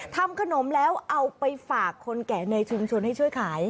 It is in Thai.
ทำขนมแล้วเอาไปฝากคนแก่ในชุมชนให้ช่วยขาย